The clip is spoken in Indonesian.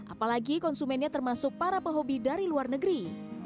apalagi konsumennya termasuk para pehobi dari luar negeri